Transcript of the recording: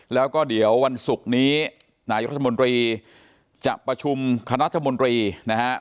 แล้วก็เดี๋ยววันศุกร์นี้นายรัฐมนตรีจะประชุมคณะรัฐมนตรีนะฮะ